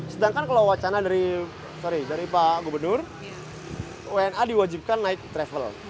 sedangkan kalau wacana dari pak gubernur wna diwajibkan naik travel